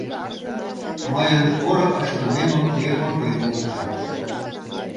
Мыйын поро ыштымемым те монден улыда...